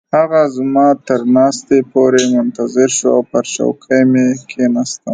هغه زما تر ناستې پورې منتظر شو او پر چوکۍ مې کښیناستم.